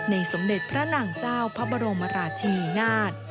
สมเด็จพระนางเจ้าพระบรมราชินีนาฏ